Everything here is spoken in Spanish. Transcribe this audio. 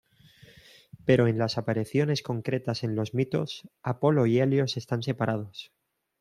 Pero en las apariciones concretas en los mitos, Apolo y Helios están separados.